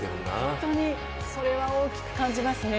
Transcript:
本当にそれは大きく感じますね。